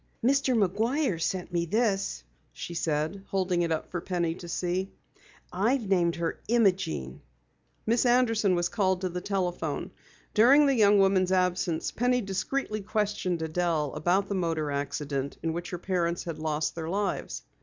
"Mr. McGuire sent me this," she said, holding it up for Penny to see. "I've named her Imogene." Miss Anderson was called to the telephone. During the young woman's absence, Penny discreetly questioned Adelle about the motor accident in which her parents had lost their lives.